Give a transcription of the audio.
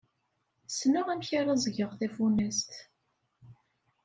Ssneɣ amek ara ẓẓgeɣ tafunast.